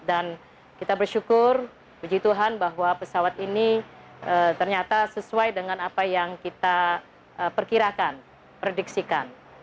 kita bersyukur puji tuhan bahwa pesawat ini ternyata sesuai dengan apa yang kita perkirakan prediksikan